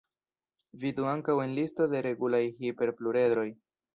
Vidu ankaŭ en listo de regulaj hiperpluredroj.